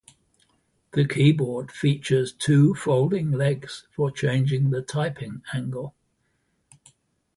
The keyboard features two folding legs for changing the typing angle.